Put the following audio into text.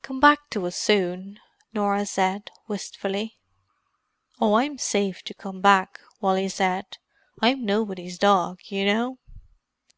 "Come back to us soon," Norah said, wistfully. "Oh, I'm safe to come back," Wally said. "I'm nobody's dog, you know."